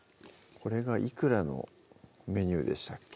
これがいくらのメニューでしたっけ？